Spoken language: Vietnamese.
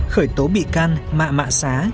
khởi tố bị can mạng mạng xá